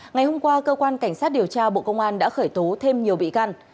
ngày hôm qua cơ quan cảnh sát điều tra bộ công an đã khởi tố thêm nhiều bị can